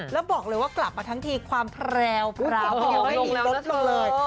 แล้วบอกเลยว่ากลับมาทั้งทีความแพรวก็ยังไม่มีลดลงเลย